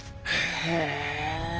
へえ！